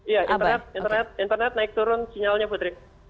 iya internet naik turun sinyalnya putri